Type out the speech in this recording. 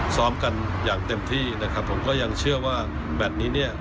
ซ้อมกันอย่างเต็มที่นะครับผมก็ยังเชื่อว่าแบบนี้เนี่ย